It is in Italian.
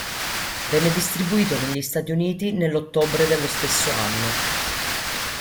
Venne distribuito negli Stati Uniti nell'ottobre dello stesso anno.